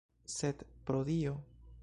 Sed, pro Dio!